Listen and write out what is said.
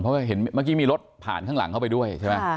มัคคี้มีรถผ่านลงเข้าไปด้วย